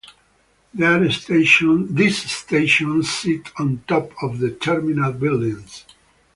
These stations sit on top of the terminal buildings.